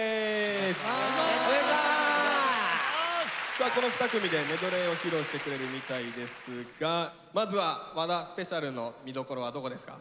さあこの２組でメドレーを披露してくれるみたいですがまずは和田ＳｐｅｃｉａＬの見どころはどこですか？